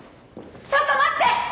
・ちょっと待って！